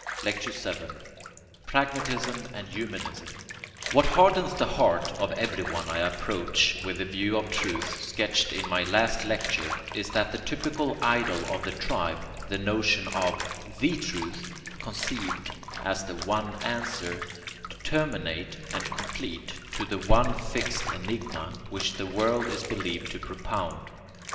Lecture VII Pragmatism and Humanism What hardens the heart of everyone I approach with the view of truth sketched in my last lecture is that typical idol of the tribe, the notion of THE Truth, conceived as the one answer, determinate and complete, to the one fixed enigma which the world is believed to propound.